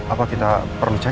apa kita perlu cek